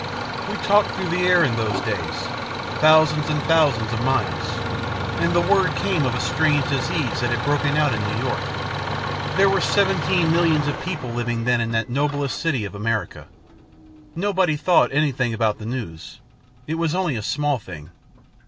"We talked through the air in those days, thousands and thousands of miles. And the word came of a strange disease that had broken out in New York. There were seventeen millions of people living then in that noblest city of America. Nobody thought anything about the news. It was only a small thing.